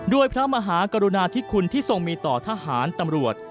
พระมหากรุณาธิคุณที่ทรงมีต่อทหารตำรวจ